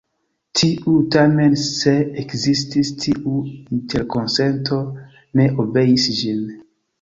Tiuj tamen se ekzistis tiu interkonsento ne obeis ĝin.